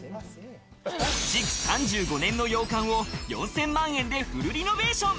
築３５年の洋館を４０００万円でフルリノベーション！